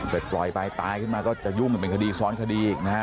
แต่ปล่อยไปตายขึ้นมาก็จะยุ่งเป็นคดีซ้อนคดีอีกนะฮะ